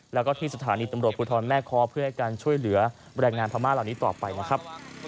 แล้วก็ที่สถานีตำรวจภูทรแม่คอเพื่อให้การช่วยเหลือแรงงานพม่าเหล่านี้ต่อไปนะครับ